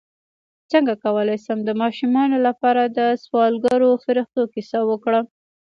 څنګه کولی شم د ماشومانو لپاره د سوالګرو فرښتو کیسه وکړم